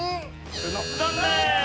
残念！